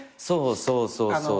そうそうそう。